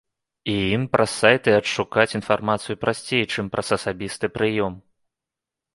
І ім праз сайты адшукаць інфармацыю прасцей, чым праз асабісты прыём.